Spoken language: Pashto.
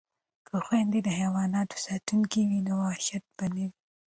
که خویندې د حیواناتو ساتونکې وي نو وحشت به نه وي.